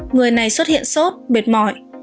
người này xuất hiện sốt mệt mỏi